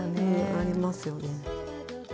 ありますよね。